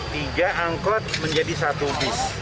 tiga angkot menjadi satu bis